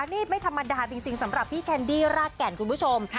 นี่ไม่ธรรมดาจริงสำหรับพี่แคนดี้รากแก่นคุณผู้ชม